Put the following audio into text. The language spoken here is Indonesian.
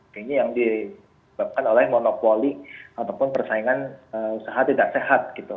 kayaknya yang disebabkan oleh monopoli ataupun persaingan usaha tidak sehat gitu